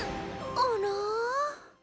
あら。